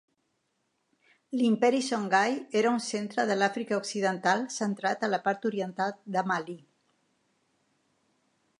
L"imperi Songhai era un centre de l"Àfrica Occidental centrat a la part oriental de Mali.